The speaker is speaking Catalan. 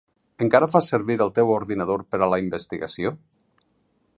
Encara fas servir el teu ordinador per a la investigació?